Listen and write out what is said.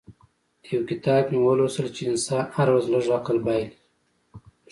يو کتاب کې مې ولوستل چې انسان هره ورځ لږ عقل بايلي.